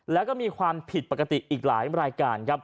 และมีความผิดปกติอีกหลายรายการ